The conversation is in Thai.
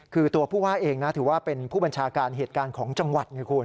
คือตัวผู้ว่าเองนะถือว่าเป็นผู้บัญชาการเหตุการณ์ของจังหวัดไงคุณ